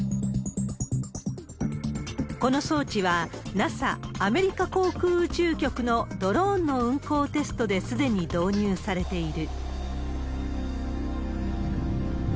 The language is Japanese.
この装置は、ＮＡＳＡ・アメリカ航空宇宙局のドローンの運航テストですでに導入されている。